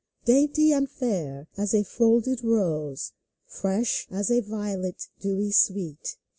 Dainty and fair as a folded rose. Fresh as a violet dewy sweet.